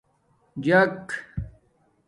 جِݣ